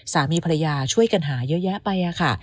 สามีภรรยาช่วยกันหาเยอะแยะไปค่ะ